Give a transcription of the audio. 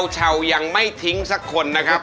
เช่ายังไม่ทิ้งสักคนนะครับ